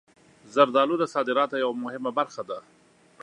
زردالو د صادراتو یوه مهمه برخه ده.